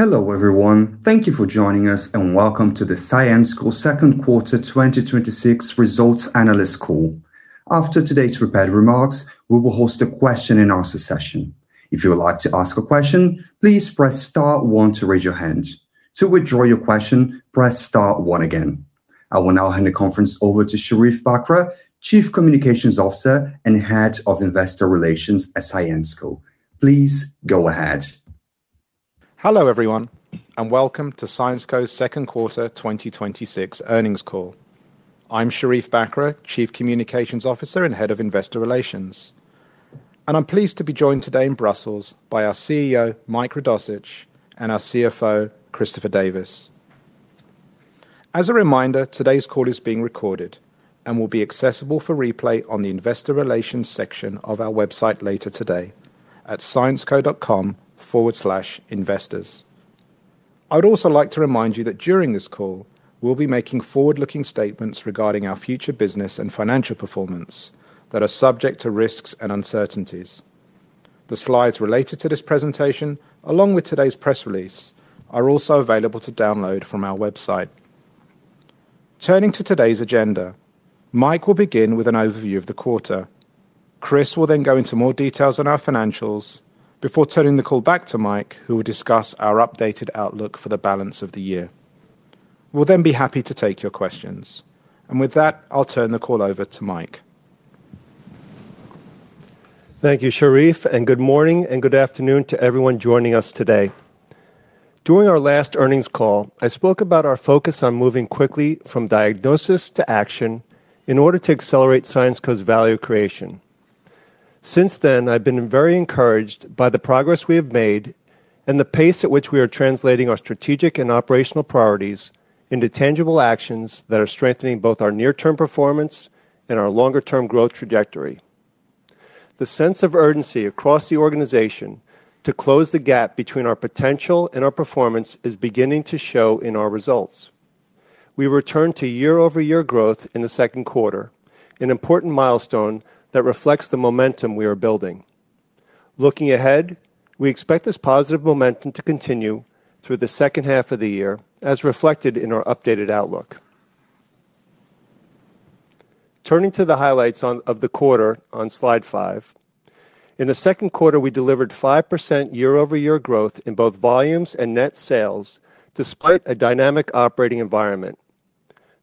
Hello, everyone. Thank you for joining us, and welcome to the Syensqo Second Quarter 2026 Results Analyst Call. After today's prepared remarks, we will host a question and answer session. If you would like to ask a question, please press star one to raise your hand. To withdraw your question, press star one again. I will now hand the conference over to Sherief Bakr, Chief Communications Officer and Head of Investor Relations at Syensqo. Please go ahead. Hello, everyone, and welcome to Syensqo's second quarter 2026 earnings call. I'm Sherief Bakr, Chief Communications Officer and Head of Investor Relations. I'm pleased to be joined today in Brussels by our CEO, Mike Radossich, and our CFO, Christopher Davis. As a reminder, today's call is being recorded and will be accessible for replay on the investor relations section of our website later today at syensqo.com/investors. I would also like to remind you that during this call, we'll be making forward-looking statements regarding our future business and financial performance that are subject to risks and uncertainties. The slides related to this presentation, along with today's press release, are also available to download from our website. Turning to today's agenda, Mike will begin with an overview of the quarter. Chris will then go into more details on our financials before turning the call back to Mike, who will discuss our updated outlook for the balance of the year. We'll then be happy to take your questions. With that, I'll turn the call over to Mike. Thank you, Sherief, good morning and good afternoon to everyone joining us today. During our last earnings call, I spoke about our focus on moving quickly from diagnosis to action in order to accelerate Syensqo's value creation. Since then, I've been very encouraged by the progress we have made and the pace at which we are translating our strategic and operational priorities into tangible actions that are strengthening both our near-term performance and our longer-term growth trajectory. The sense of urgency across the organization to close the gap between our potential and our performance is beginning to show in our results. We returned to year-over-year growth in the second quarter, an important milestone that reflects the momentum we are building. Looking ahead, we expect this positive momentum to continue through the second half of the year, as reflected in our updated outlook. Turning to the highlights of the quarter on slide five. In the second quarter, we delivered 5% year-over-year growth in both volumes and net sales despite a dynamic operating environment.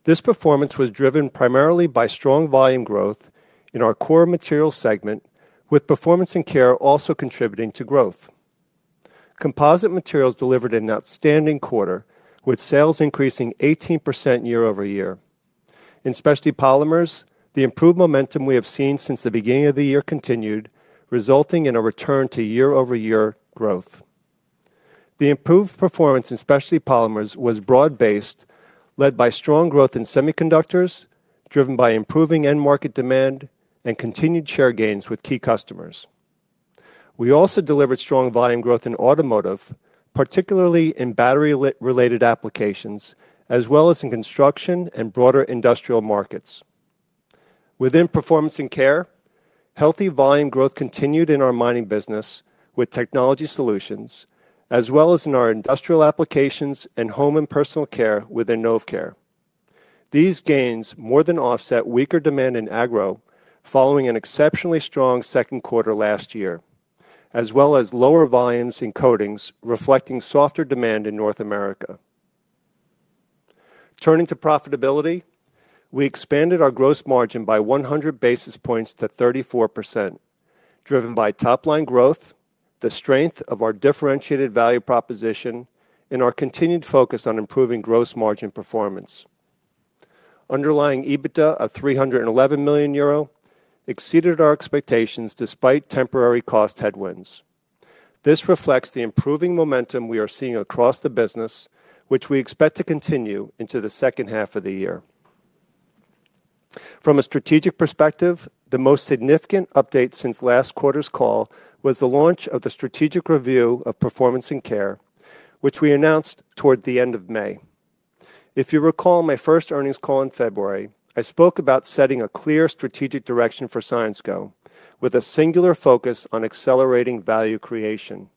This performance was driven primarily by strong volume growth in our core Materials segment, with Performance & Care also contributing to growth. Composite Materials delivered an outstanding quarter, with sales increasing 18% year-over-year. In Specialty Polymers, the improved momentum we have seen since the beginning of the year continued, resulting in a return to year-over-year growth. The improved performance in Specialty Polymers was broad-based, led by strong growth in semiconductors, driven by improving end market demand and continued share gains with key customers. We also delivered strong volume growth in automotive, particularly in battery-related applications, as well as in construction and broader industrial markets. Within Performance & Care, healthy volume growth continued in our mining business with Technology Solutions, as well as in our industrial applications and home and personal care within Novecare. These gains more than offset weaker demand in agro, following an exceptionally strong second quarter last year, as well as lower volumes in coatings, reflecting softer demand in North America. Turning to profitability, we expanded our gross margin by 100 basis points to 34%, driven by top-line growth, the strength of our differentiated value proposition, and our continued focus on improving gross margin performance. Underlying EBITDA of 311 million euro exceeded our expectations despite temporary cost headwinds. This reflects the improving momentum we are seeing across the business, which we expect to continue into the second half of the year. From a strategic perspective, the most significant update since last quarter's call was the launch of the strategic review of Performance & Care, which we announced toward the end of May. If you recall my first earnings call in February, I spoke about setting a clear strategic direction for Syensqo with a singular focus on accelerating value creation.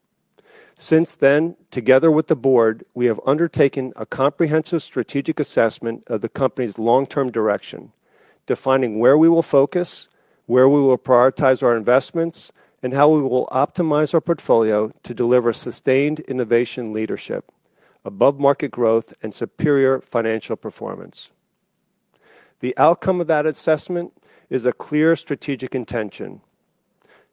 Since then, together with the board, we have undertaken a comprehensive strategic assessment of the company's long-term direction, defining where we will focus, where we will prioritize our investments, and how we will optimize our portfolio to deliver sustained innovation leadership, above-market growth, and superior financial performance. The outcome of that assessment is a clear strategic intention: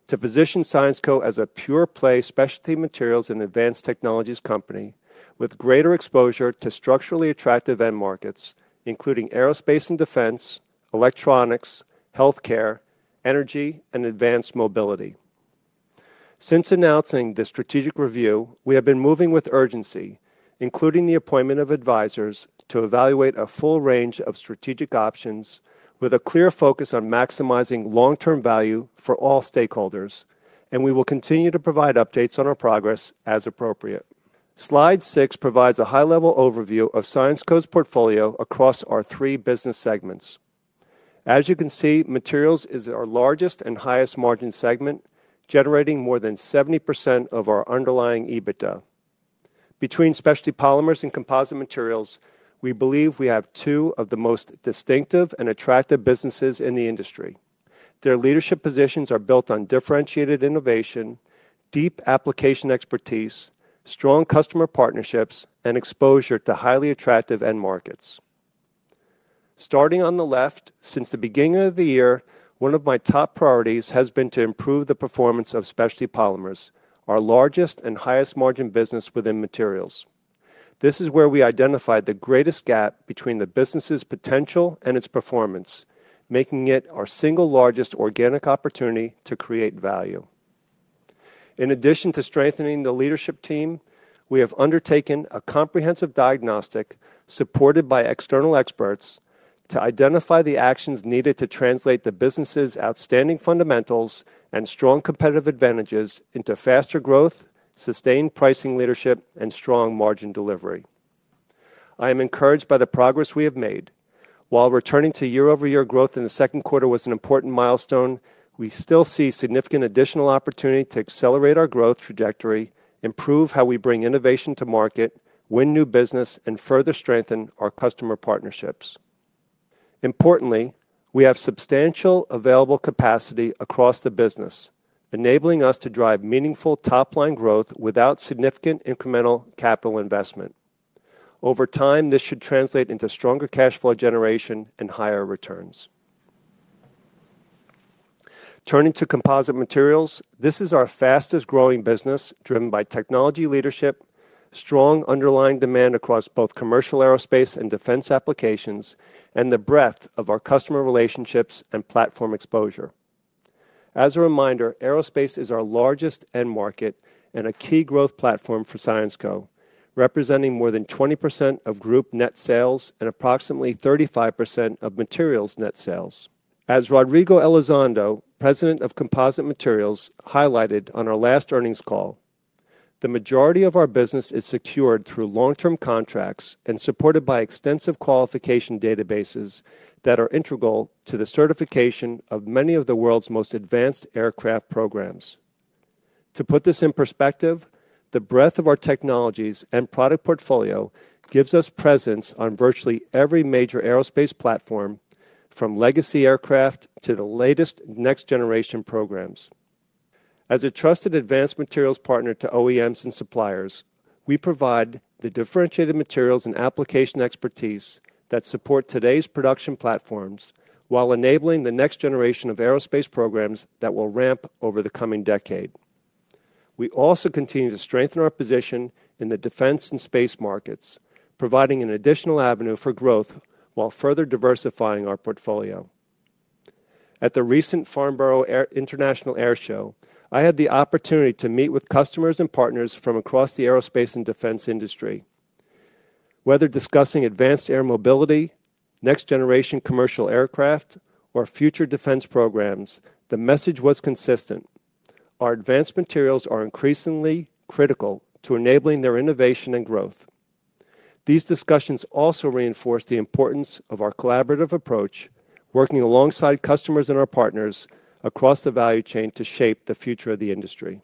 to position Syensqo as a pure-play specialty materials and advanced technologies company with greater exposure to structurally attractive end markets, including aerospace and defense, electronics, healthcare, energy, and advanced mobility. Since announcing the strategic review, we have been moving with urgency, including the appointment of advisors to evaluate a full range of strategic options with a clear focus on maximizing long-term value for all stakeholders, and we will continue to provide updates on our progress as appropriate. Slide six provides a high-level overview of Syensqo's portfolio across our three business segments. As you can see, Materials is our largest and highest margin segment, generating more than 70% of our underlying EBITDA. Between Specialty Polymers and Composite Materials, we believe we have two of the most distinctive and attractive businesses in the industry. Their leadership positions are built on differentiated innovation, deep application expertise, strong customer partnerships, and exposure to highly attractive end markets. Starting on the left, since the beginning of the year, one of my top priorities has been to improve the performance of Specialty Polymers, our largest and highest margin business within Materials. This is where we identified the greatest gap between the business's potential and its performance, making it our single largest organic opportunity to create value. In addition to strengthening the leadership team, we have undertaken a comprehensive diagnostic, supported by external experts, to identify the actions needed to translate the business's outstanding fundamentals and strong competitive advantages into faster growth, sustained pricing leadership, and strong margin delivery. I am encouraged by the progress we have made. While returning to year-over-year growth in the second quarter was an important milestone, we still see significant additional opportunity to accelerate our growth trajectory, improve how we bring innovation to market, win new business, and further strengthen our customer partnerships. Importantly, we have substantial available capacity across the business, enabling us to drive meaningful top-line growth without significant incremental capital investment. Over time, this should translate into stronger cash flow generation and higher returns. Turning to Composite Materials, this is our fastest growing business, driven by technology leadership, strong underlying demand across both commercial aerospace and defense applications, and the breadth of our customer relationships and platform exposure. As a reminder, aerospace is our largest end market and a key growth platform for Syensqo, representing more than 20% of group net sales and approximately 35% of Materials net sales. As Rodrigo Elizondo, President of Composite Materials, highlighted on our last earnings call, the majority of our business is secured through long-term contracts and supported by extensive qualification databases that are integral to the certification of many of the world's most advanced aircraft programs. To put this in perspective, the breadth of our technologies and product portfolio gives us presence on virtually every major aerospace platform, from legacy aircraft to the latest next-generation programs. As a trusted advanced materials partner to OEMs and suppliers, we provide the differentiated materials and application expertise that support today's production platforms while enabling the next generation of aerospace programs that will ramp over the coming decade. We also continue to strengthen our position in the defense and space markets, providing an additional avenue for growth while further diversifying our portfolio. At the recent Farnborough International Airshow, I had the opportunity to meet with customers and partners from across the aerospace and defense industry. Whether discussing advanced air mobility, next-generation commercial aircraft, or future defense programs, the message was consistent. Our advanced materials are increasingly critical to enabling their innovation and growth. These discussions also reinforce the importance of our collaborative approach, working alongside customers and our partners across the value chain to shape the future of the industry.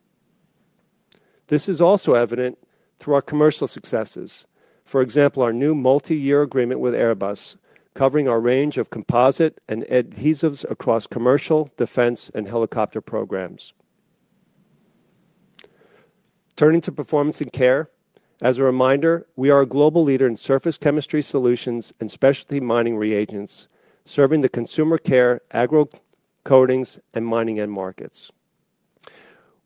This is also evident through our commercial successes. For example, our new multi-year agreement with Airbus, covering our range of composite and adhesives across commercial, defense, and helicopter programs. Turning to Performance & Care. As a reminder, we are a global leader in surface chemistry solutions and specialty mining reagents, serving the consumer care, agro, coatings, and mining end markets.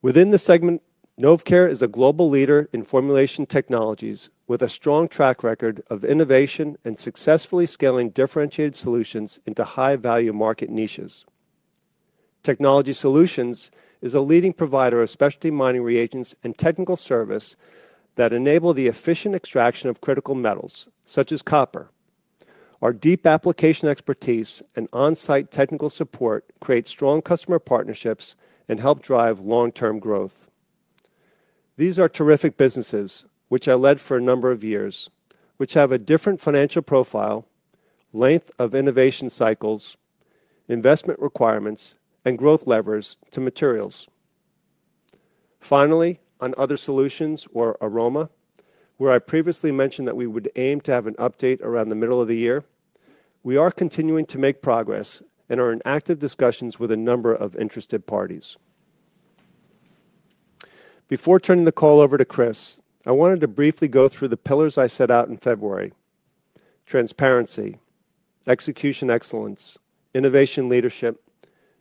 Within the segment, Novecare is a global leader in formulation technologies with a strong track record of innovation and successfully scaling differentiated solutions into high-value market niches. Technology Solutions is a leading provider of specialty mining reagents and technical service that enable the efficient extraction of critical metals, such as copper. Our deep application expertise and on-site technical support create strong customer partnerships and help drive long-term growth. These are terrific businesses, which I led for a number of years, which have a different financial profile, length of innovation cycles, investment requirements, and growth levers to Materials. Finally, on Other Solutions or Aroma, where I previously mentioned that we would aim to have an update around the middle of the year, we are continuing to make progress and are in active discussions with a number of interested parties. Before turning the call over to Chris, I wanted to briefly go through the pillars I set out in February: transparency, execution excellence, innovation leadership,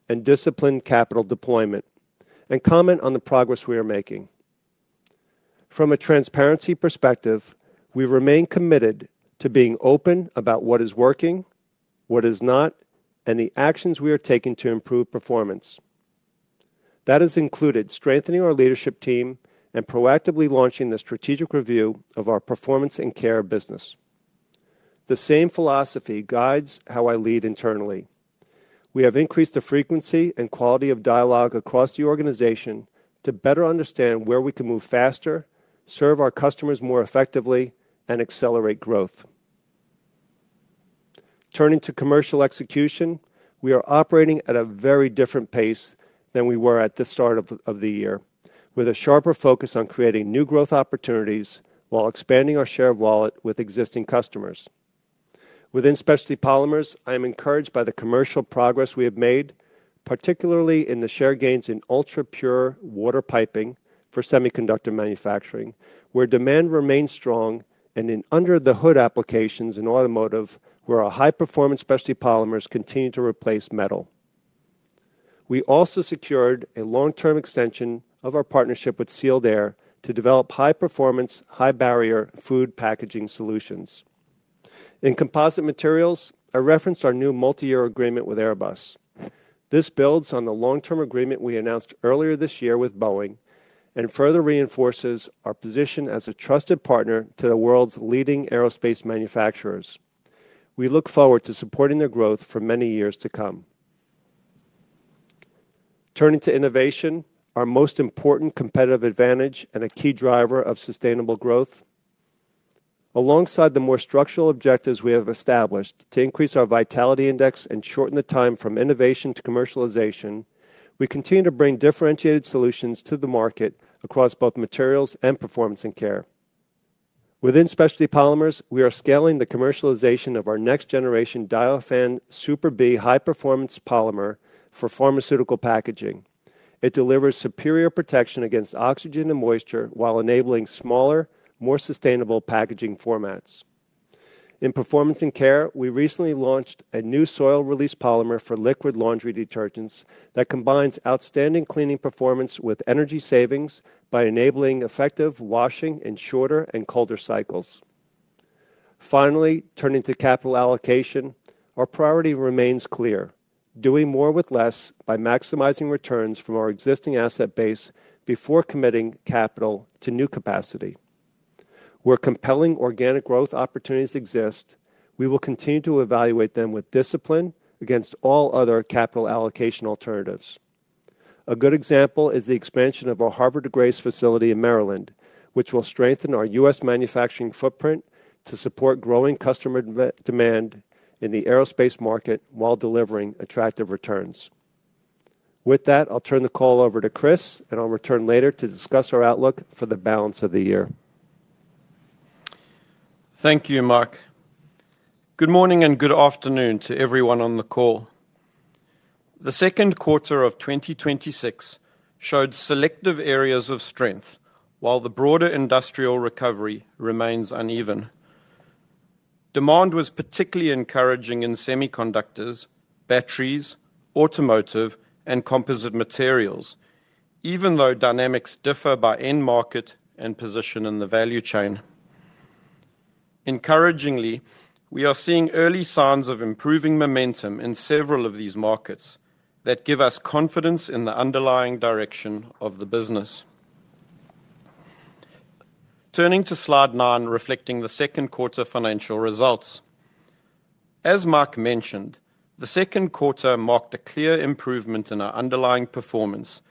and disciplined capital deployment, and comment on the progress we are making. From a transparency perspective, we remain committed to being open about what is working, what is not, and the actions we are taking to improve performance. That has included strengthening our leadership team and proactively launching the strategic review of our Performance & Care business. The same philosophy guides how I lead internally. We have increased the frequency and quality of dialogue across the organization to better understand where we can move faster, serve our customers more effectively, and accelerate growth. Turning to commercial execution, we are operating at a very different pace than we were at the start of the year, with a sharper focus on creating new growth opportunities while expanding our share of wallet with existing customers. Within Specialty Polymers, I am encouraged by the commercial progress we have made, particularly in the share gains in ultra-pure water piping for semiconductor manufacturing, where demand remains strong, and in under-the-hood applications in automotive, where our high-performance Specialty Polymers continue to replace metal. We also secured a long-term extension of our partnership with Sealed Air to develop high-performance, high-barrier food packaging solutions. In Composite Materials, I referenced our new multi-year agreement with Airbus. This builds on the long-term agreement we announced earlier this year with Boeing and further reinforces our position as a trusted partner to the world's leading aerospace manufacturers. We look forward to supporting their growth for many years to come. Turning to innovation, our most important competitive advantage and a key driver of sustainable growth. Alongside the more structural objectives we have established to increase our Vitality Index and shorten the time from innovation to commercialization, we continue to bring differentiated solutions to the market across both Materials and Performance & Care. Within Specialty Polymers, we are scaling the commercialization of our next-generation Diofan Super B high-performance polymer for pharmaceutical packaging. It delivers superior protection against oxygen and moisture while enabling smaller, more sustainable packaging formats. In Performance & Care, we recently launched a new soil release polymer for liquid laundry detergents that combines outstanding cleaning performance with energy savings by enabling effective washing in shorter and colder cycles. Finally, turning to capital allocation, our priority remains clear: doing more with less by maximizing returns from our existing asset base before committing capital to new capacity. Where compelling organic growth opportunities exist, we will continue to evaluate them with discipline against all other capital allocation alternatives. A good example is the expansion of our Havre de Grace facility in Maryland, which will strengthen our U.S. manufacturing footprint to support growing customer demand in the aerospace market while delivering attractive returns. With that, I'll turn the call over to Chris, and I'll return later to discuss our outlook for the balance of the year. Thank you, Mike. Good morning and good afternoon to everyone on the call. The second quarter of 2026 showed selective areas of strength, while the broader industrial recovery remains uneven. Demand was particularly encouraging in semiconductors, batteries, automotive, and Composite Materials, even though dynamics differ by end market and position in the value chain. Encouragingly, we are seeing early signs of improving momentum in several of these markets that give us confidence in the underlying direction of the business. Turning to slide nine, reflecting the second quarter financial results. As Mike mentioned, the second quarter marked a clear improvement in our underlying performance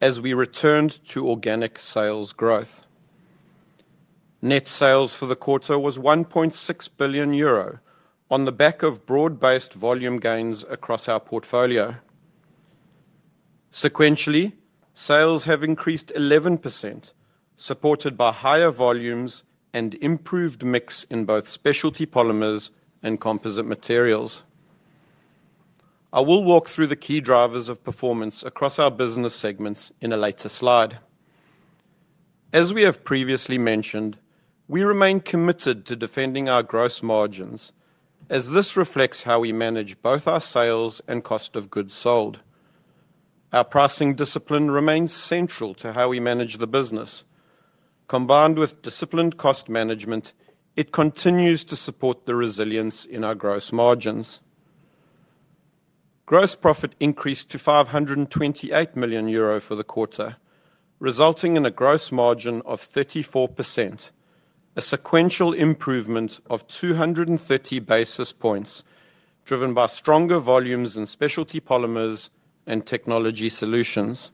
as we returned to organic sales growth. Net sales for the quarter was 1.6 billion euro on the back of broad-based volume gains across our portfolio. Sequentially, sales have increased 11%, supported by higher volumes and improved mix in both Specialty Polymers and Composite Materials. I will walk through the key drivers of performance across our business segments in a later slide. As we have previously mentioned, we remain committed to defending our gross margins, as this reflects how we manage both our sales and cost of goods sold. Our pricing discipline remains central to how we manage the business. Combined with disciplined cost management, it continues to support the resilience in our gross margins. Gross profit increased to 528 million euro for the quarter, resulting in a gross margin of 34%, a sequential improvement of 230 basis points, driven by stronger volumes in Specialty Polymers and Technology Solutions.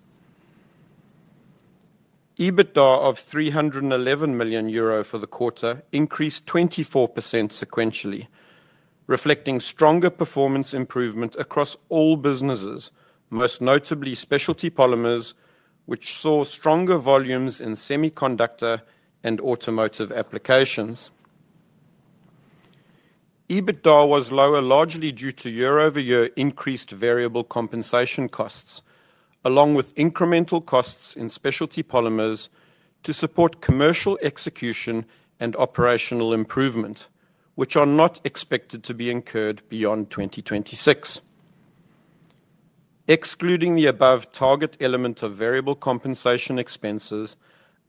EBITDA of 311 million euro for the quarter increased 24% sequentially, reflecting stronger performance improvement across all businesses, most notably Specialty Polymers, which saw stronger volumes in semiconductor and automotive applications. EBITDA was lower largely due to year-over-year increased variable compensation costs, along with incremental costs in Specialty Polymers to support commercial execution and operational improvement, which are not expected to be incurred beyond 2026. Excluding the above-target element of variable compensation expenses,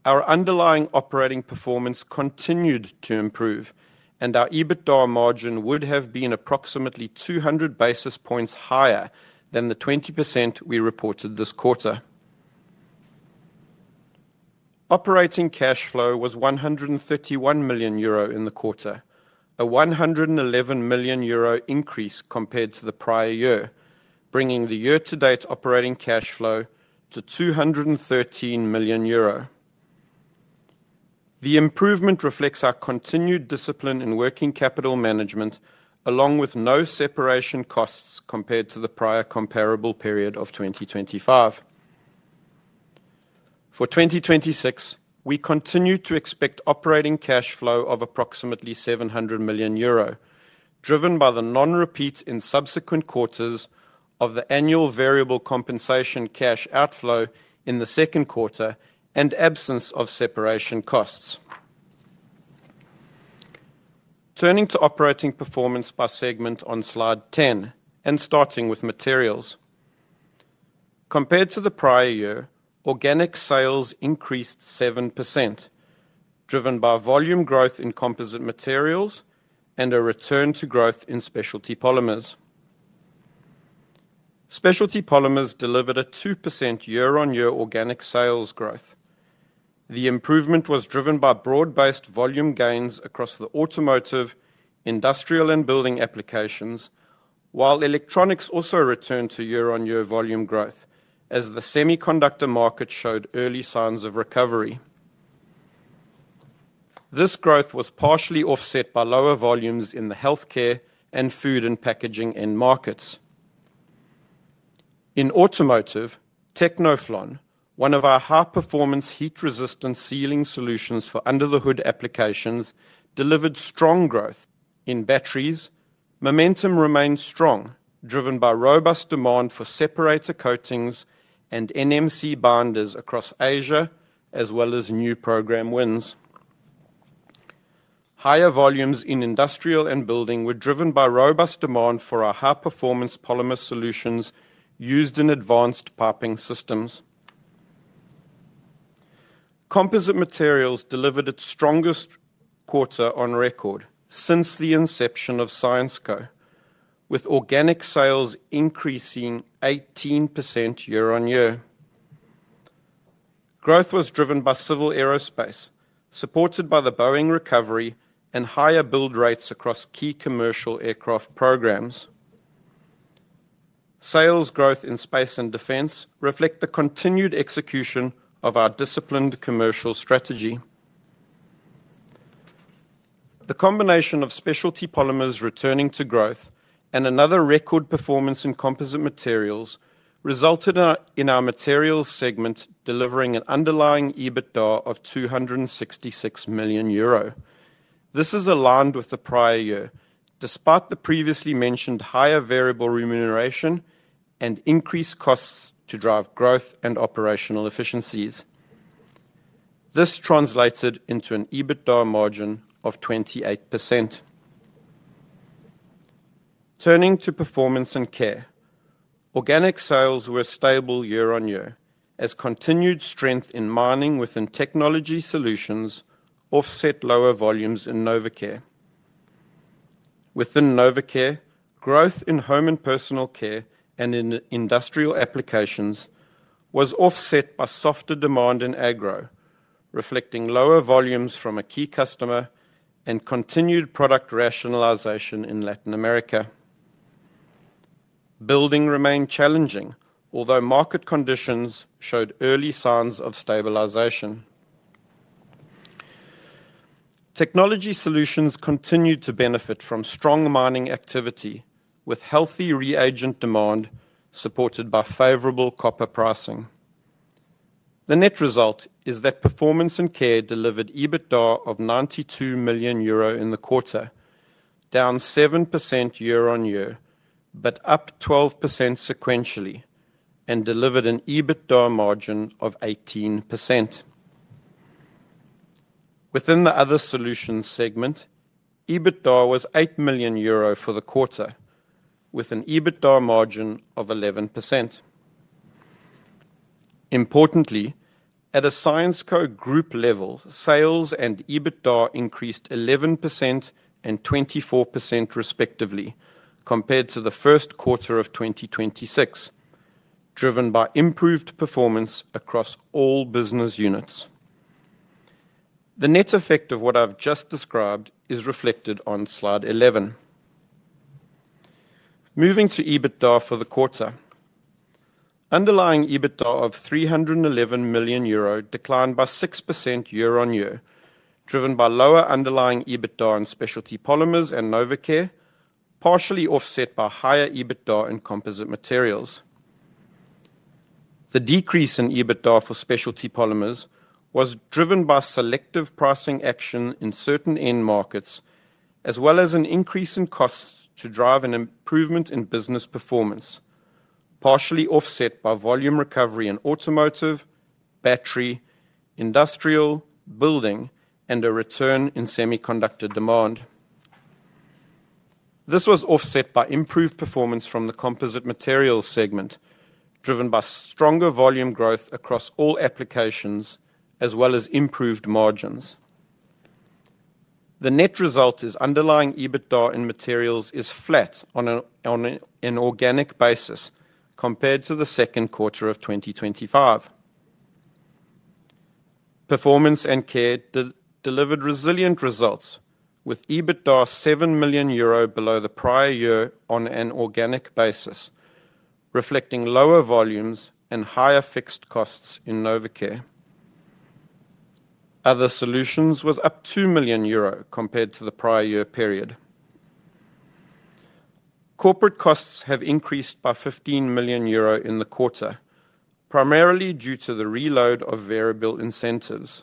our underlying operating performance continued to improve, and our EBITDA margin would have been approximately 200 basis points higher than the 20% we reported this quarter. Operating cash flow was 131 million euro in the quarter, a 111 million euro increase compared to the prior year, bringing the year-to-date operating cash flow to 213 million euro. The improvement reflects our continued discipline in working capital management, along with no separation costs compared to the prior comparable period of 2025. For 2026, we continue to expect operating cash flow of approximately 700 million euro, driven by the non-repeat in subsequent quarters of the annual variable compensation cash outflow in the second quarter and absence of separation costs. Turning to operating performance by segment on slide 10 and starting with Materials. Compared to the prior year, organic sales increased 7%, driven by volume growth in Composite Materials and a return to growth in Specialty Polymers. Specialty Polymers delivered a 2% year-on-year organic sales growth. The improvement was driven by broad-based volume gains across the automotive, industrial, and building applications, while electronics also returned to year-on-year volume growth as the semiconductor market showed early signs of recovery. This growth was partially offset by lower volumes in the healthcare and food and packaging end markets. In automotive, Tecnoflon, one of our high-performance heat-resistant sealing solutions for under-the-hood applications, delivered strong growth. In batteries, momentum remained strong, driven by robust demand for separator coatings and NMC binders across Asia, as well as new program wins. Higher volumes in industrial and building were driven by robust demand for our high-performance polymer solutions used in advanced piping systems. Composite Materials delivered its strongest quarter on record since the inception of Syensqo, with organic sales increasing 18% year-on-year. Growth was driven by civil aerospace, supported by the Boeing recovery and higher build rates across key commercial aircraft programs. Sales growth in space and defense reflect the continued execution of our disciplined commercial strategy. The combination of Specialty Polymers returning to growth and another record performance in Composite Materials resulted in our Materials segment delivering an underlying EBITDA of 266 million euro. This is aligned with the prior year, despite the previously mentioned higher variable remuneration and increased costs to drive growth and operational efficiencies. This translated into an EBITDA margin of 28%. Turning to Performance & Care, organic sales were stable year-on-year as continued strength in mining within Technology Solutions offset lower volumes in Novecare. Within Novecare, growth in home and personal care and in industrial applications was offset by softer demand in agro, reflecting lower volumes from a key customer and continued product rationalization in Latin America. Building remained challenging, although market conditions showed early signs of stabilization. Technology Solutions continued to benefit from strong mining activity, with healthy reagent demand supported by favorable copper pricing. The net result is that Performance & Care delivered EBITDA of 92 million euro in the quarter, down 7% year-on-year but up 12% sequentially, and delivered an EBITDA margin of 18%. Within the Other Solutions segment, EBITDA was 8 million euro for the quarter, with an EBITDA margin of 11%. Importantly, at a Syensqo group level, sales and EBITDA increased 11% and 24% respectively compared to the first quarter of 2026, driven by improved performance across all business units. The net effect of what I've just described is reflected on slide 11. Moving to EBITDA for the quarter. Underlying EBITDA of 311 million euro declined by 6% year-on-year, driven by lower underlying EBITDA in Specialty Polymers and Novecare, partially offset by higher EBITDA in Composite Materials. The decrease in EBITDA for Specialty Polymers was driven by selective pricing action in certain end markets, as well as an increase in costs to drive an improvement in business performance, partially offset by volume recovery in automotive, battery, industrial, building, and a return in semiconductor demand. This was offset by improved performance from the Composite Materials segment, driven by stronger volume growth across all applications as well as improved margins. The net result is underlying EBITDA in Materials is flat on an organic basis compared to the second quarter of 2025. Performance & Care delivered resilient results with EBITDA 7 million euro below the prior year on an organic basis, reflecting lower volumes and higher fixed costs in Novecare. Other Solutions was up 2 million euro compared to the prior year period. Corporate costs have increased by 15 million euro in the quarter, primarily due to the reload of variable incentives.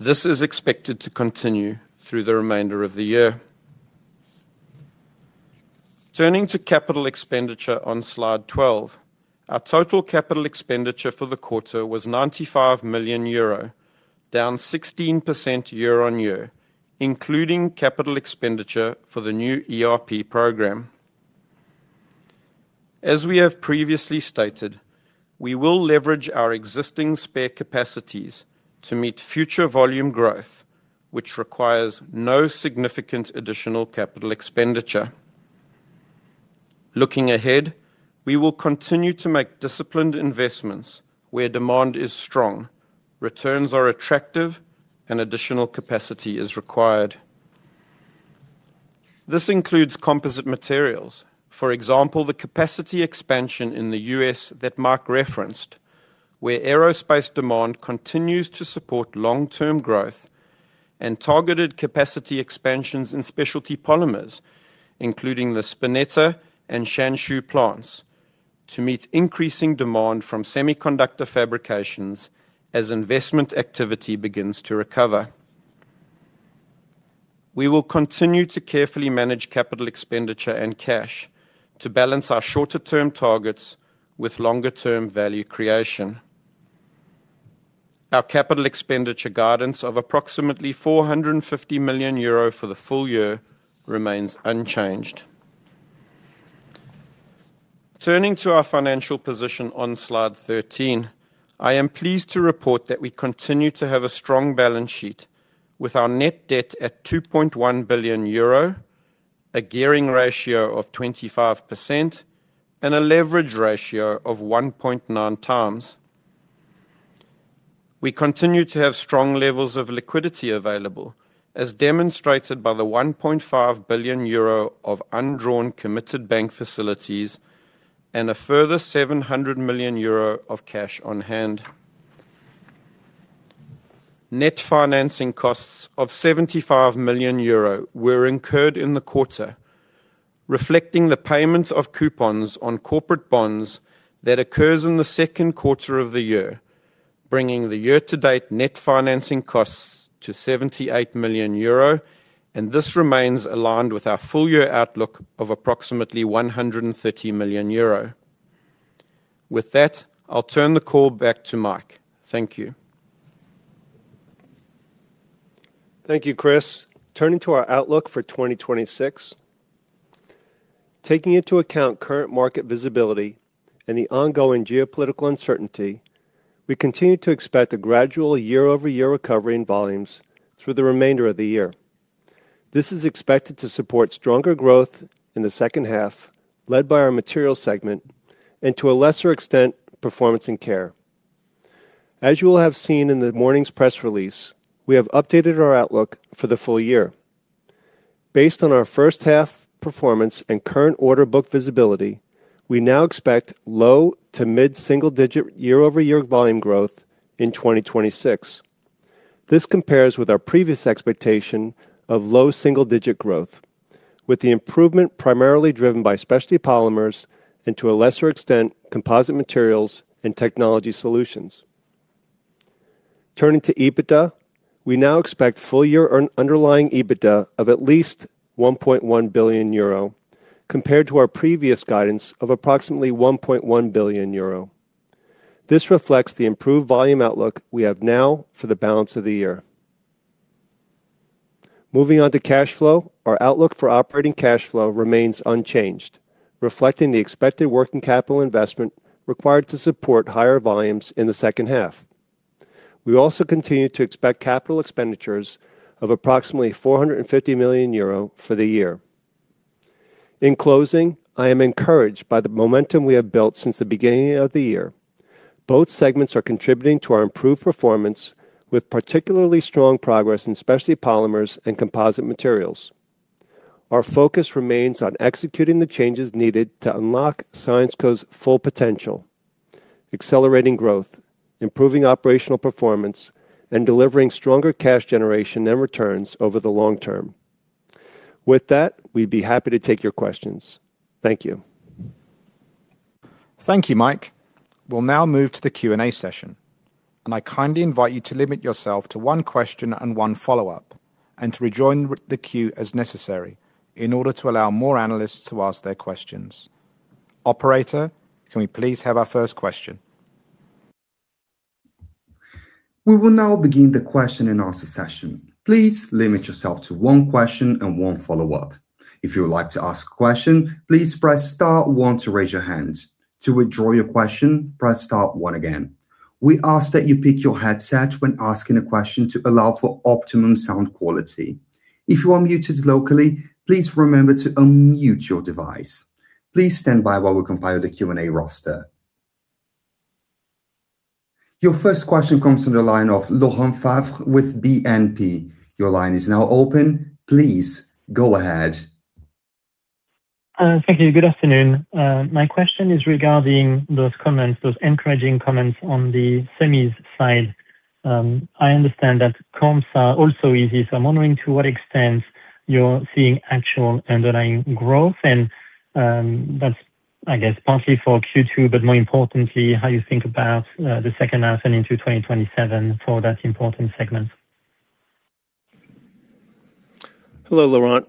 This is expected to continue through the remainder of the year. Turning to capital expenditure on slide 12. Our total capital expenditure for the quarter was 95 million euro, down 16% year-on-year, including capital expenditure for the new ERP program. As we have previously stated, we will leverage our existing spare capacities to meet future volume growth, which requires no significant additional capital expenditure. Looking ahead, we will continue to make disciplined investments where demand is strong, returns are attractive, and additional capacity is required. This includes Composite Materials. For example, the capacity expansion in the U.S. that Mike referenced, where aerospace demand continues to support long-term growth and targeted capacity expansions in Specialty Polymers, including the Spinetta and Changshu plants, to meet increasing demand from semiconductor fabrications as investment activity begins to recover. We will continue to carefully manage capital expenditure and cash to balance our shorter-term targets with longer-term value creation. Our capital expenditure guidance of approximately 450 million euro for the full year remains unchanged. Turning to our financial position on slide 13. I am pleased to report that we continue to have a strong balance sheet with our net debt at 2.1 billion euro, a gearing ratio of 25%, and a leverage ratio of 1.9x. We continue to have strong levels of liquidity available, as demonstrated by the 1.5 billion euro of undrawn committed bank facilities and a further 700 million euro of cash on hand. Net financing costs of 75 million euro were incurred in the quarter, reflecting the payment of coupons on corporate bonds that occurs in the second quarter of the year, bringing the year-to-date net financing costs to 78 million euro, and this remains aligned with our full year outlook of approximately 130 million euro. With that, I'll turn the call back to Mike. Thank you. Thank you, Chris. Turning to our outlook for 2026. Taking into account current market visibility and the ongoing geopolitical uncertainty, we continue to expect a gradual year-over-year recovery in volumes through the remainder of the year. This is expected to support stronger growth in the second half, led by our Materials segment and, to a lesser extent, Performance & Care. As you will have seen in the morning's press release, we have updated our outlook for the full year. Based on our first half performance and current order book visibility, we now expect low to mid single digit year-over-year volume growth in 2026. This compares with our previous expectation of low single-digit growth, with the improvement primarily driven by Specialty Polymers and, to a lesser extent, Composite Materials and Technology Solutions. Turning to EBITDA, we now expect full year underlying EBITDA of at least 1.1 billion euro, compared to our previous guidance of approximately 1.1 billion euro. This reflects the improved volume outlook we have now for the balance of the year. Moving on to cash flow, our outlook for operating cash flow remains unchanged, reflecting the expected working capital investment required to support higher volumes in the second half. We also continue to expect capital expenditures of approximately 450 million euro for the year. In closing, I am encouraged by the momentum we have built since the beginning of the year. Both segments are contributing to our improved performance, with particularly strong progress in Specialty Polymers and Composite Materials. Our focus remains on executing the changes needed to unlock Syensqo's full potential, accelerating growth, improving operational performance, and delivering stronger cash generation and returns over the long term. We'd be happy to take your questions. Thank you. Thank you, Mike. We'll now move to the Q&A session. I kindly invite you to limit yourself to one question and one follow-up, and to rejoin the queue as necessary in order to allow more analysts to ask their questions. Operator, can we please have our first question? We will now begin the question and answer session. Please limit yourself to one question and one follow-up. If you would like to ask a question, please press star one to raise your hand. To withdraw your question, press star one again. We ask that you speak into your headset when asking a question to allow for optimum sound quality. If you are muted locally, please remember to unmute your device. Please stand by while we compile the Q&A roster. Your first question comes from the line of Laurent Favre with BNP. Your line is now open. Please go ahead. Thank you. Good afternoon. My question is regarding those encouraging comments on the semis side. I understand that comps are also easy, I am wondering to what extent you are seeing actual underlying growth, and that is, I guess, partly for Q2, but more importantly, how you think about the second half and into 2027 for that important segment. Hello, Laurent.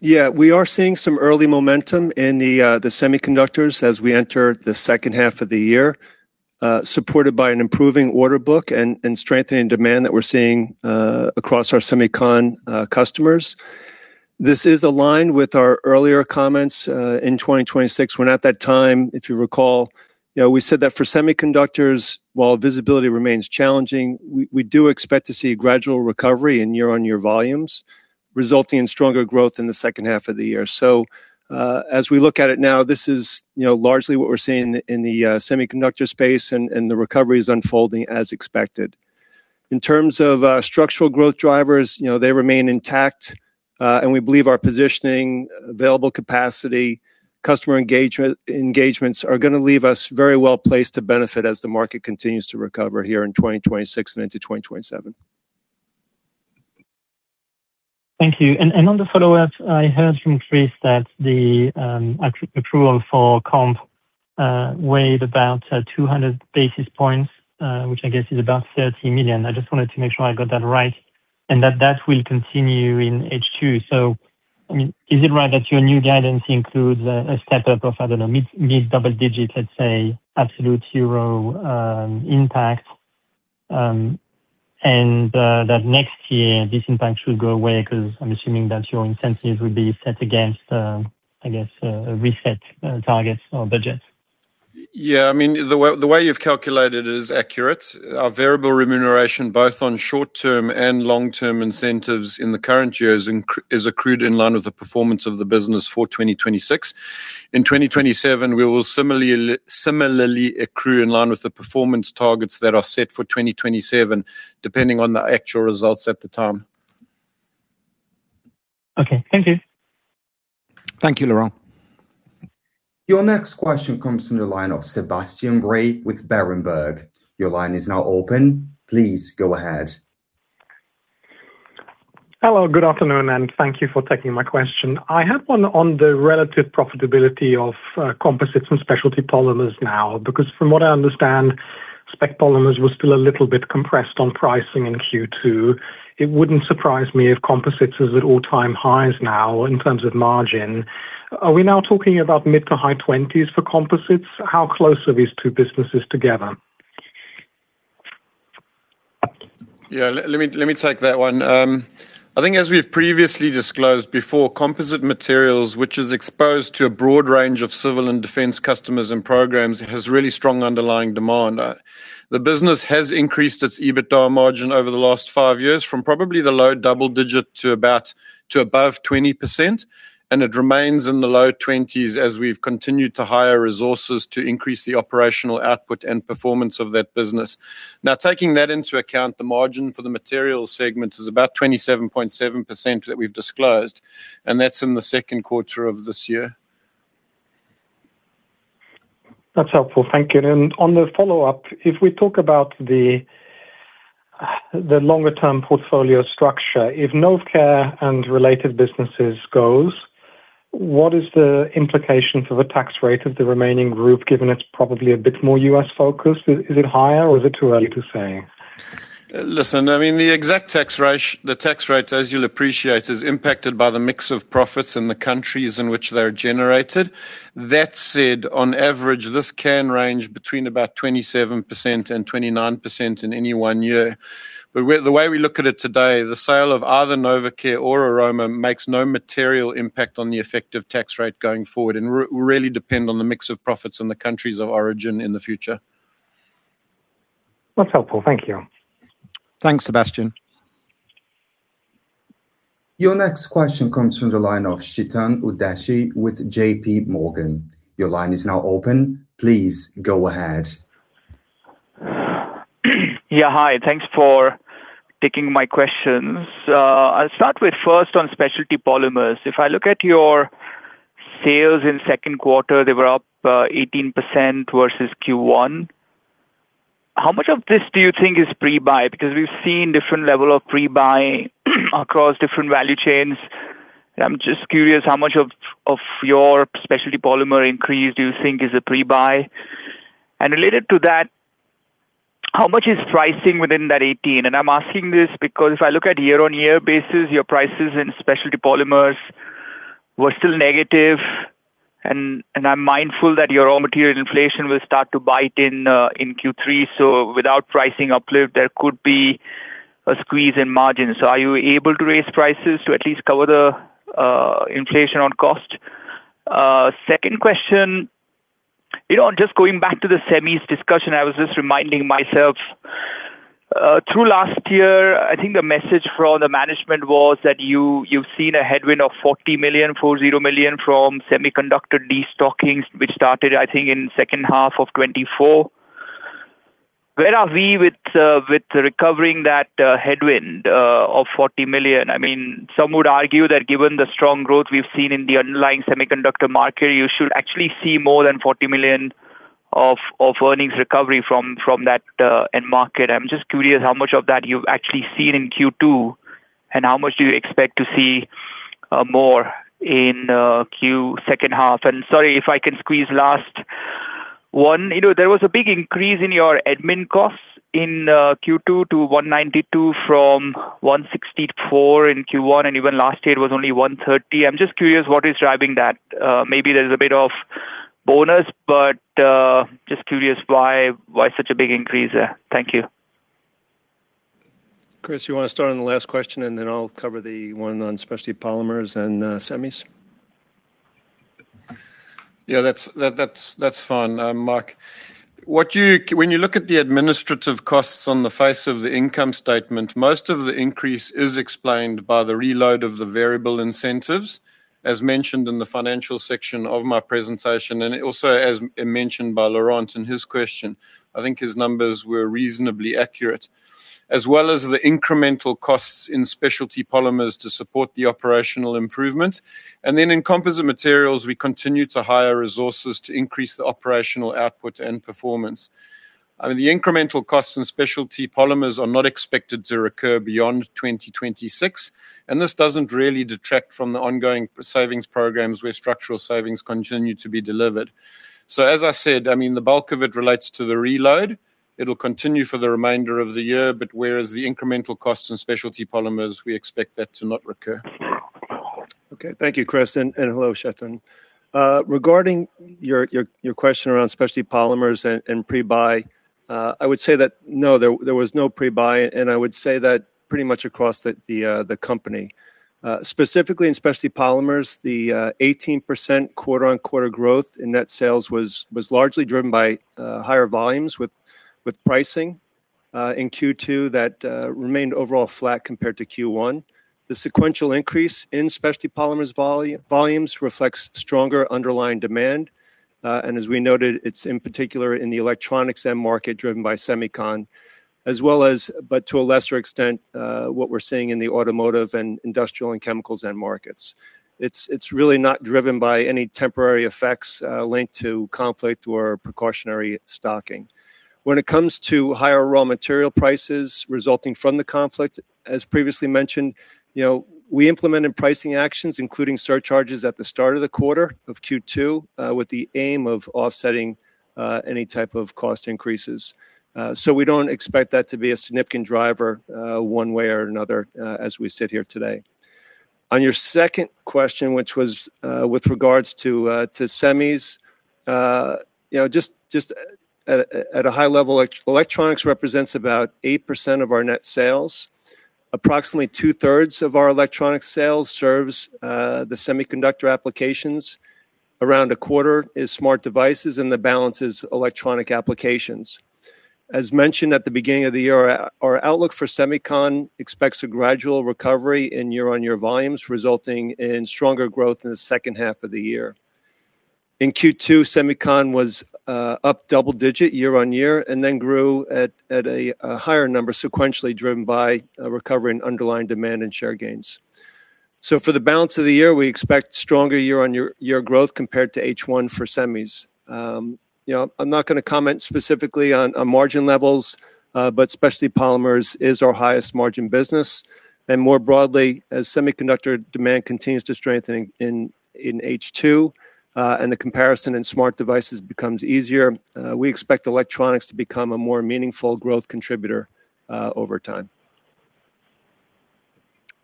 Yeah, we are seeing some early momentum in the semiconductors as we enter the second half of the year, supported by an improving order book and strengthening demand that we are seeing across our semicon customers. This is aligned with our earlier comments in 2026 when at that time, if you recall, we said that for semiconductors, while visibility remains challenging, we do expect to see a gradual recovery in year-on-year volumes, resulting in stronger growth in the second half of the year. As we look at it now, this is largely what we are seeing in the semiconductor space, and the recovery is unfolding as expected. In terms of structural growth drivers, they remain intact. We believe our positioning, available capacity, customer engagements are going to leave us very well placed to benefit as the market continues to recover here in 2026 and into 2027. Thank you. On the follow-up, I heard from Chris that the approval for comp weighed about 200 basis points, which I guess is about 30 million. I just wanted to make sure I got that right, and that that will continue in H2. Is it right that your new guidance includes a step-up of, I don't know, mid double digit, let us say, absolute euro impact? That next year this impact should go away because I am assuming that your incentive will be set against, I guess, a reset target or budget. Yeah, the way you have calculated it is accurate. Our variable remuneration, both on short-term and long-term incentives in the current year, is accrued in line with the performance of the business for 2026. In 2027, we will similarly accrue in line with the performance targets that are set for 2027, depending on the actual results at the time. Okay. Thank you. Thank you, Laurent. Your next question comes from the line of Sebastian Bray with Berenberg. Your line is now open. Please go ahead. Hello. Good afternoon, and thank you for taking my question. I have one on the relative profitability of Composite Materials and Specialty Polymers now, because from what I understand, Spec Polymers was still a little bit compressed on pricing in Q2. It wouldn't surprise me if Composite Materials is at all-time highs now in terms of margin. Are we now talking about mid to high 20s for Composite Materials? How close are these two businesses together? Yeah, let me take that one. I think as we've previously disclosed before, Composite Materials, which is exposed to a broad range of civil and defense customers and programs, has really strong underlying demand. The business has increased its EBITDA margin over the last five years from probably the low double digit to above 20%, and it remains in the low 20s as we've continued to hire resources to increase the operational output and performance of that business. Now, taking that into account, the margin for the Materials segment is about 27.7% that we've disclosed, and that's in the second quarter of this year. That's helpful. Thank you. On the follow-up, if we talk about the longer-term portfolio structure, if Novecare and related businesses goes, what is the implication for the tax rate of the remaining group, given it's probably a bit more U.S.-focused? Is it higher or is it too early to say? Listen, the exact tax rate, as you'll appreciate, is impacted by the mix of profits in the countries in which they're generated. That said, on average, this can range between about 27%-29% in any one year. The way we look at it today, the sale of either Novecare or Aroma makes no material impact on the effective tax rate going forward and will really depend on the mix of profits in the countries of origin in the future. That's helpful. Thank you. Thanks, Sebastian. Your next question comes from the line of Chetan Udeshi with JPMorgan. Your line is now open. Please go ahead. Hi. Thanks for taking my questions. I'll start with first on Specialty Polymers. If I look at your sales in second quarter, they were up 18% versus Q1. How much of this do you think is pre-buy? We've seen different level of pre-buy across different value chains. I'm just curious how much of your Specialty Polymer increase do you think is a pre-buy? Related to that, how much is pricing within that 18%? I'm asking this because if I look at year-on-year basis, your prices in Specialty Polymers were still negative. I'm mindful that your raw material inflation will start to bite in Q3, so without pricing uplift, there could be a squeeze in margins. Are you able to raise prices to at least cover the inflation on cost? Second question. Just going back to the semis discussion, I was just reminding myself. Through last year, I think the message from the management was that you've seen a headwind of 40 million from semiconductor destockings, which started, I think, in second half of 2024. Where are we with recovering that headwind of 40 million? Some would argue that given the strong growth we've seen in the underlying semiconductor market, you should actually see more than 40 million of earnings recovery from that end market. I'm just curious how much of that you've actually seen in Q2, and how much do you expect to see more in Q second half? Sorry if I can squeeze last one. There was a big increase in your admin costs in Q2 to 192 million from 164 million in Q1, and even last year it was only 130 million. I'm just curious what is driving that. Maybe there's a bit of bonus, but just curious why such a big increase there. Thank you. Chris, you want to start on the last question, then I'll cover the one on Specialty Polymers and semis? That's fine, Mike. When you look at the administrative costs on the face of the income statement, most of the increase is explained by the reload of the variable incentives, as mentioned in the financial section of my presentation. Also, as mentioned by Laurent in his question, I think his numbers were reasonably accurate. As well as the incremental costs in Specialty Polymers to support the operational improvement. In Composite Materials, we continue to hire resources to increase the operational output and performance. The incremental costs in Specialty Polymers are not expected to recur beyond 2026, and this doesn't really detract from the ongoing savings programs where structural savings continue to be delivered. As I said, the bulk of it relates to the reload. It'll continue for the remainder of the year, whereas the incremental costs in Specialty Polymers, we expect that to not recur. Thank you, Chris, and hello, Chetan. Regarding your question around Specialty Polymers and pre-buy. I would say that no, there was no pre-buy, and I would say that pretty much across the company. Specifically in Specialty Polymers, the 18% quarter-over-quarter growth in net sales was largely driven by higher volumes with pricing in Q2 that remained overall flat compared to Q1. The sequential increase in Specialty Polymers volumes reflects stronger underlying demand. As we noted, it's in particular in the electronics end market driven by semicon, as well as, but to a lesser extent, what we're seeing in the automotive, industrial, and chemicals end markets. It's really not driven by any temporary effects linked to conflict or precautionary stocking. When it comes to higher raw material prices resulting from the conflict, as previously mentioned, we implemented pricing actions, including surcharges at the start of the quarter of Q2, with the aim of offsetting any type of cost increases. We don't expect that to be a significant driver one way or another as we sit here today. On your second question, which was with regards to semis. Just at a high level, electronics represents about 8% of our net sales. Approximately 2/3 of our electronic sales serves the semiconductor applications. Around a quarter is smart devices, and the balance is electronic applications. As mentioned at the beginning of the year, our outlook for semicon expects a gradual recovery in year-over-year volumes, resulting in stronger growth in the second half of the year. In Q2, semicon was up double-digit year-on-year and then grew at a higher number sequentially driven by a recovery in underlying demand and share gains. For the balance of the year, we expect stronger year-on-year growth compared to H1 for semis. I'm not going to comment specifically on margin levels, but Specialty Polymers is our highest margin business. More broadly, as semiconductor demand continues to strengthen in H2, and the comparison in smart devices becomes easier, we expect electronics to become a more meaningful growth contributor over time.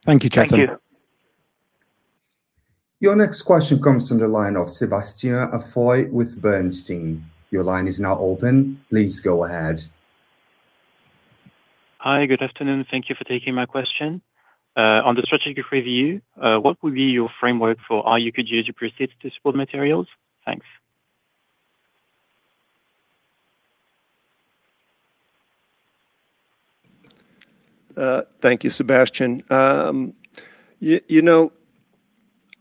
Thank you, Chetan. Thank you. Your next question comes from the line of Sébastien Afoy with Bernstein. Your line is now open. Please go ahead. Hi. Good afternoon. Thank you for taking my question. On the strategic review, what would be your framework for R&D as you proceed to support materials? Thanks. Thank you, Sébastien.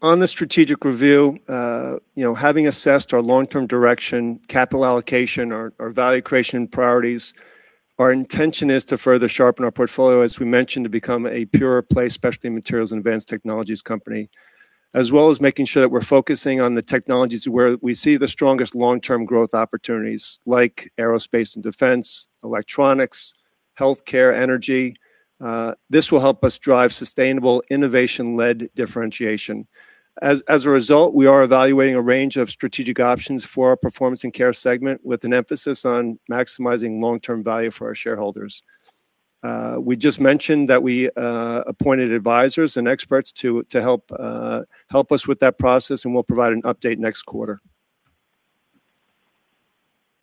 On the strategic review, having assessed our long-term direction, capital allocation, our value creation priorities, our intention is to further sharpen our portfolio, as we mentioned, to become a pure play specialty materials and advanced technologies company. As well as making sure that we're focusing on the technologies where we see the strongest long-term growth opportunities like aerospace and defense, electronics, health care, energy. This will help us drive sustainable innovation-led differentiation. As a result, we are evaluating a range of strategic options for our Performance & Care segment, with an emphasis on maximizing long-term value for our shareholders. We just mentioned that we appointed advisors and experts to help us with that process, and we'll provide an update next quarter.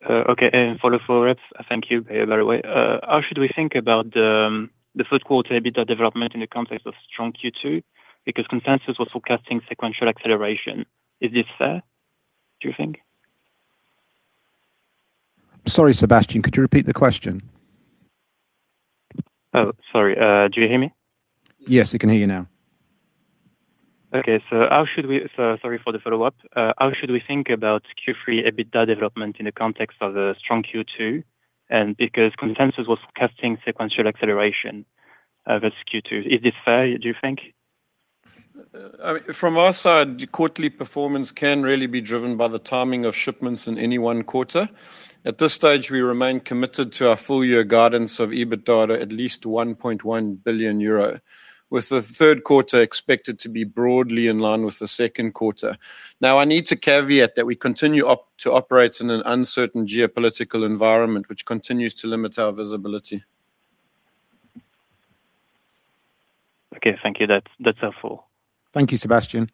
Okay. Follow-up, thank you, by the way. How should we think about the third quarter EBITDA development in the context of strong Q2? Consensus was forecasting sequential acceleration. Is this fair, do you think? Sorry, Sébastien, could you repeat the question? Oh, sorry. Do you hear me? Yes, we can hear you now. Okay. Sorry for the follow-up. How should we think about Q3 EBITDA development in the context of a strong Q2? Because consensus was forecasting sequential acceleration versus Q2. Is this fair, do you think? From our side, quarterly performance can really be driven by the timing of shipments in any one quarter. At this stage, we remain committed to our full-year guidance of EBITDA at least 1.1 billion euro, with the third quarter expected to be broadly in line with the second quarter. I need to caveat that we continue to operate in an uncertain geopolitical environment, which continues to limit our visibility. Okay, thank you. That's helpful. Thank you, Sébastien.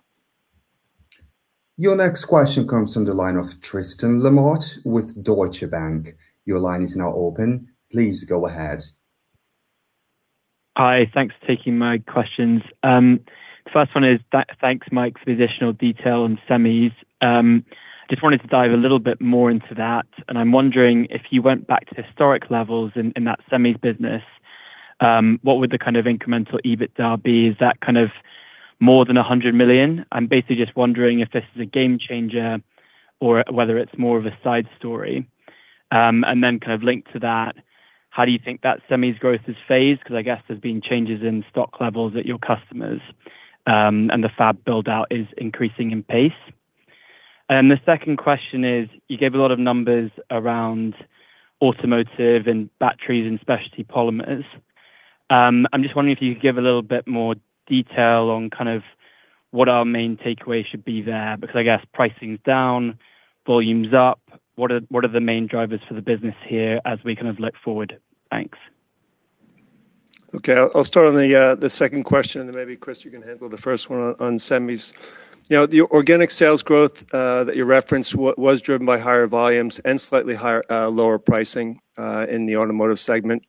Your next question comes from the line of Tristan Lamotte with Deutsche Bank. Your line is now open. Please go ahead. Hi. Thanks for taking my questions. The first one is, thanks, Mike, for the additional detail on semis. Just wanted to dive a little bit more into that, I'm wondering if you went back to historic levels in that semis business, what would the kind of incremental EBITDA be? Is that more than 100 million? I'm basically just wondering if this is a game changer or whether it's more of a side story. Then linked to that, how do you think that semis growth has phased? I guess there's been changes in stock levels at your customers, and the fab build-out is increasing in pace. The second question is, you gave a lot of numbers around automotive and batteries and Specialty Polymers. I'm just wondering if you could give a little bit more detail on what our main takeaway should be there, because I guess pricing's down, volume's up. What are the main drivers for the business here as we look forward? Thanks. Okay. I'll start on the second question, then maybe Chris, you can handle the first one on semis. The organic sales growth that you referenced was driven by higher volumes and slightly lower pricing in the automotive segment.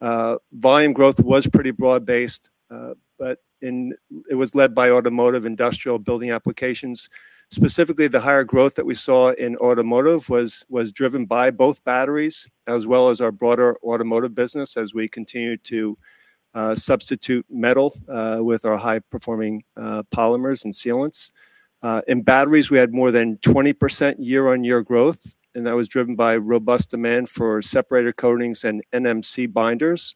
Volume growth was pretty broad-based, but it was led by automotive industrial building applications. Specifically, the higher growth that we saw in automotive was driven by both batteries as well as our broader automotive business as we continue to substitute metal with our high-performing polymers and sealants. In batteries, we had more than 20% year-on-year growth, and that was driven by robust demand for separator coatings and NMC binders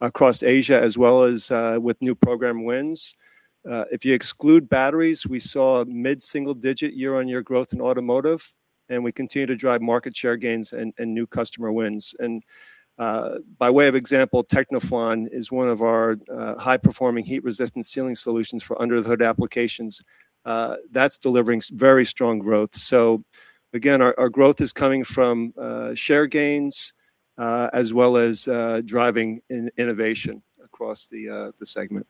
across Asia, as well as with new program wins. If you exclude batteries, we saw mid-single digit year-on-year growth in automotive, and we continue to drive market share gains and new customer wins. By way of example, Tecnoflon is one of our high-performing heat-resistant sealing solutions for under-the-hood applications. That's delivering very strong growth. Again, our growth is coming from share gains as well as driving innovation across the segment.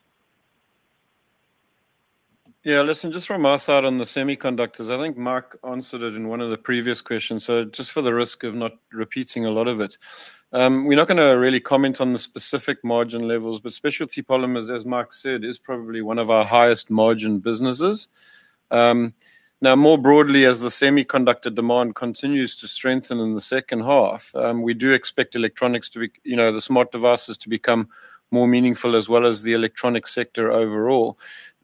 Yeah. Listen, just from our side on the semiconductors, I think Mike answered it in one of the previous questions, just for the risk of not repeating a lot of it. We're not going to really comment on the specific margin levels, but Specialty Polymers, as Mike said, is probably one of our highest margin businesses. Now, more broadly, as the semiconductor demand continues to strengthen in the second half, we do expect the smart devices to become more meaningful, as well as the electronic sector overall.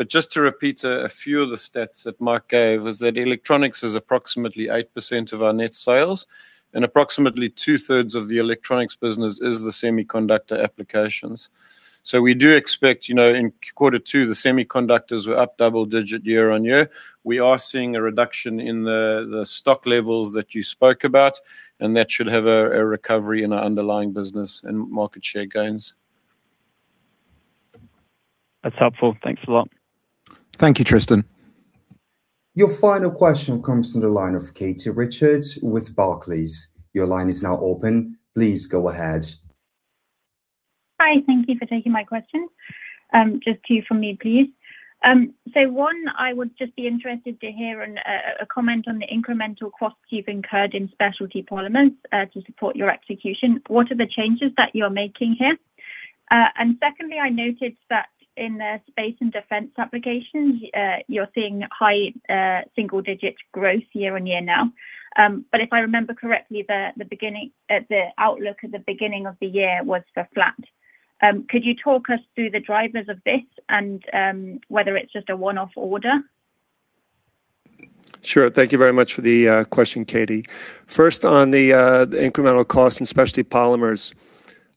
Just to repeat a few of the stats that Mike gave is that electronics is approximately 8% of our net sales and approximately 2/3 of the electronics business is the semiconductor applications. We do expect in quarter two, the semiconductors were up double digit year-on-year. We are seeing a reduction in the stock levels that you spoke about, and that should have a recovery in our underlying business and market share gains. That's helpful. Thanks a lot. Thank you, Tristan. Your final question comes from the line of Katie Richards with Barclays. Your line is now open. Please go ahead. Hi. Thank you for taking my question. Just two from me, please. One, I would just be interested to hear a comment on the incremental costs you've incurred in Specialty Polymers to support your execution. What are the changes that you're making here? Secondly, I noted that in the space and defense applications, you're seeing high single-digit growth year-over-year now. If I remember correctly, the outlook at the beginning of the year was for flat. Could you talk us through the drivers of this and whether it's just a one-off order? Sure. Thank you very much for the question, Katie. First on the incremental cost in Specialty Polymers.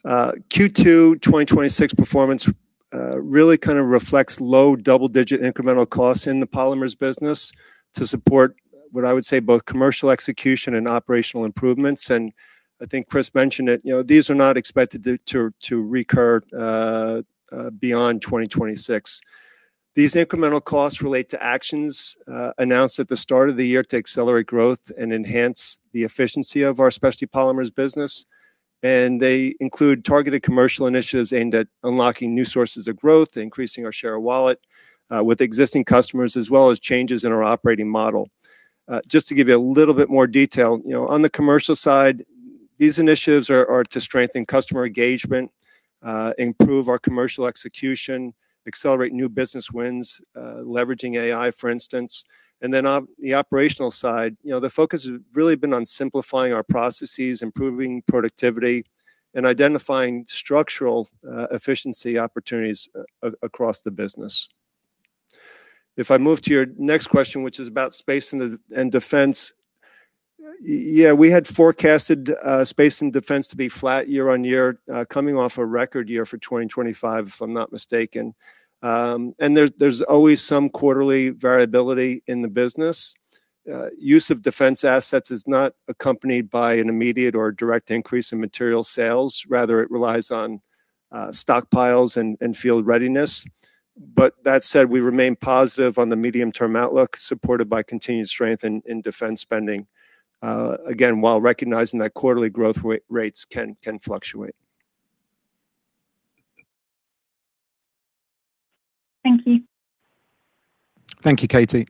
Q2 2026 performance really kind of reflects low double-digit incremental costs in the Specialty Polymers business to support what I would say both commercial execution and operational improvements. I think Chris mentioned it, these are not expected to recur beyond 2026. These incremental costs relate to actions announced at the start of the year to accelerate growth and enhance the efficiency of our Specialty Polymers business. They include targeted commercial initiatives aimed at unlocking new sources of growth, increasing our share of wallet with existing customers, as well as changes in our operating model. Just to give you a little bit more detail, on the commercial side, these initiatives are to strengthen customer engagement, improve our commercial execution, accelerate new business wins, leveraging AI, for instance. On the operational side, the focus has really been on simplifying our processes, improving productivity, and identifying structural efficiency opportunities across the business. If I move to your next question, which is about space and defense. Yeah, we had forecasted space and defense to be flat year-over-year, coming off a record year for 2025, if I'm not mistaken. There's always some quarterly variability in the business. Use of defense assets is not accompanied by an immediate or direct increase in material sales. Rather, it relies on stockpiles and field readiness. That said, we remain positive on the medium-term outlook supported by continued strength in defense spending, again, while recognizing that quarterly growth rates can fluctuate. Thank you. Thank you, Katie.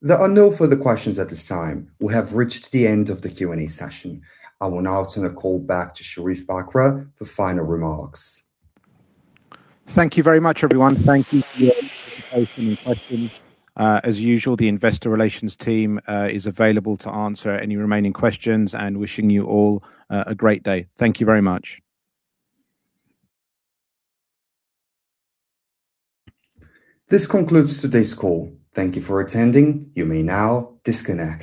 There are no further questions at this time. We have reached the end of the Q&A session. I will now turn the call back to Sherief Bakr for final remarks. Thank you very much, everyone. Thank you for your participation and questions. As usual, the investor relations team is available to answer any remaining questions and wishing you all a great day. Thank you very much. This concludes today's call. Thank you for attending. You may now disconnect.